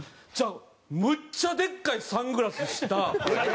そしたらむっちゃでっかいサングラスした